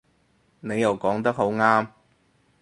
你又講得好啱